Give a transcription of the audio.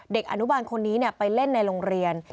เด็กอนุบาลคนนี้ไปเล่นในโรงเรียน